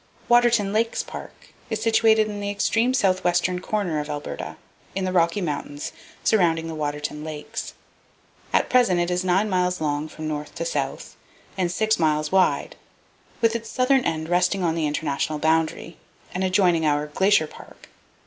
Waterton Lakes Park is situated in the extreme southwestern corner of Alberta, in the Rocky Mountains surrounding the Waterton Lakes. At present it is nine miles long from north to south and six miles wide, with its southern end resting on the international boundary, and adjoining our Glacier Park.